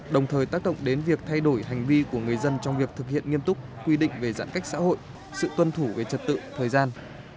đồng thời tác động đến việc thay đổi hành vi của người dân trong việc thực hiện nghiêm túc quy định về giãn cách xã hội sự tuân thủ về trật tự thời gian